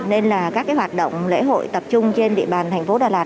nên là các hoạt động lễ hội tập trung trên địa bàn thành phố đà lạt